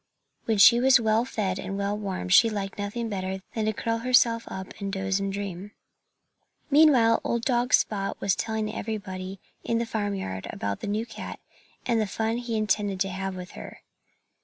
When she was well fed and well warmed she liked nothing better than to curl herself up and doze and dream. Meanwhile old dog Spot was telling everybody in the farmyard about the new cat and the fun he intended to have with her.